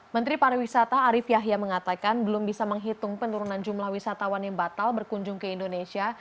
menteri pariwisata arief yahya mengatakan belum bisa menghitung penurunan jumlah wisatawan yang batal berkunjung ke indonesia